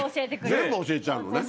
全部教えちゃうのね。